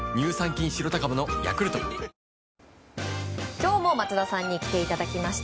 今日も松田さんに来ていただきました。